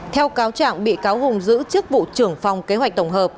theo cáo trạng bị cáo hùng giữ chức vụ trưởng phòng kế hoạch tổng hợp